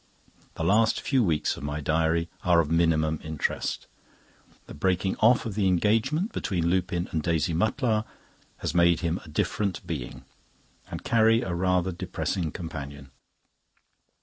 The last few weeks of my diary are of minimum interest. The breaking off of the engagement between Lupin and Daisy Mutlar has made him a different being, and Carrie a rather depressing companion.